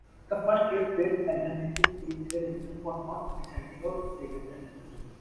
The first years played alternately in "Primera Regional" (for not descending) or "Segunda Regional".